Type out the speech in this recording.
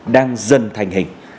đang dần thành hình